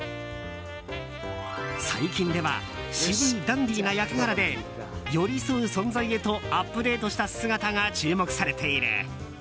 最近では渋いダンディーな役柄で寄り添う存在へとアップデートした姿が注目されている。